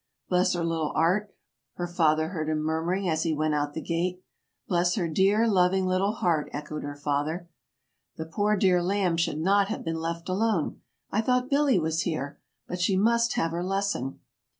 "Bless 'er little 'eart," her father heard him murmuring, as he went out the gate. "Bless her dear, loving little heart!" echoed her father. "The poor dear 'lamb' should not have been left alone! I thought Billy was here. But she must have her lesson!"